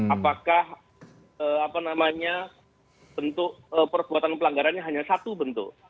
apakah apa namanya bentuk perbuatan pelanggaran hanya satu bentuk